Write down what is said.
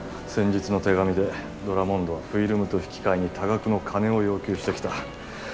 先日の手紙でドラモンドはフィルムと引き換えに多額の金を要求してきた。